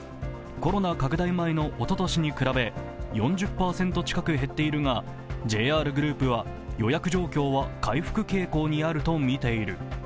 コロナ拡大前のおととしに比べ４０％近く減っているがＪＲグループは予約状況は回復傾向にあるとみている。